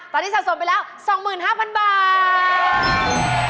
ตอนนี้สะสมไปแล้ว๒๕๐๐๐บาท